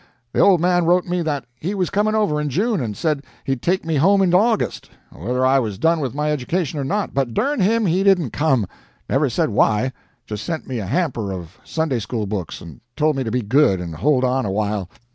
The old man wrote me that he was coming over in June, and said he'd take me home in August, whether I was done with my education or not, but durn him, he didn't come; never said why; just sent me a hamper of Sunday school books, and told me to be good, and hold on a while.